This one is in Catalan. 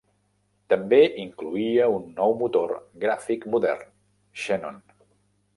També incloïa un nou motor gràfic modern, Xenon.